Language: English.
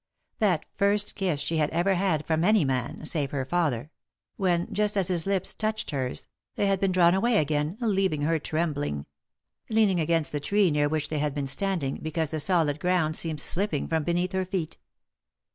That first kiss she had ever had from any man, save her lather — when, just as his lips touched hers, they had been drawn away again, leav ing her trembling ; leaning against the tree near which they had been standing, because the solid ground seemed slipping from beneath her feet.